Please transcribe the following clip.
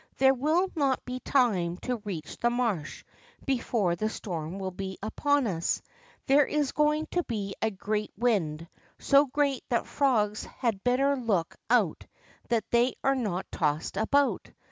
There will not be time to reach the marsh before the storm will he upon us. There is going to he a great wind, so great that frogs had better look out that they are not tossed about.